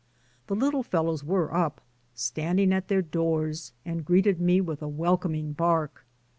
The little fellows were up, standing at their doors, and greeted me with a welcom ing bark.